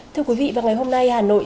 thưa quý vị vào ngày hôm nay hà nội